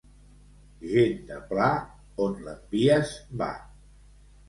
Gent de pla, on l'envies, va.